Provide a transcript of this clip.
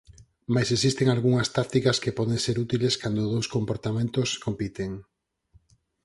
Mais existen algunhas tácticas que poden ser útiles cando dous comportamentos compiten.